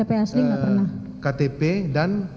kopi kopian ya ktp dan